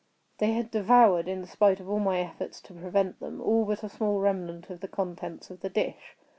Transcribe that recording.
They had devoured, in spite of all my efforts to prevent them, all but a small remnant of the contents of the dish.